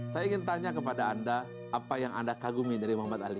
saya ingin tanya kepada anda apa yang anda kagumi dari muhammad ali